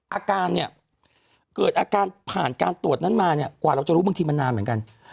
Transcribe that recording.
อาการเนี่ยเกิดอาการผ่านการตรวจนั้นมาเนี่ยกว่าเราจะรู้บางทีมันนานเหมือนกัน